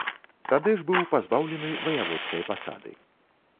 Тады ж быў пазбаўлены ваяводскай пасады.